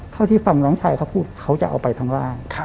เท่าที่ฟังน้องชายเขาพูดเขาจะเอาไปทั้งร่าง